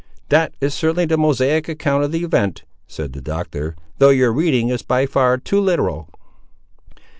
"That is certainly the Mosaic account of the event," said the Doctor; "though your reading is by far too literal!"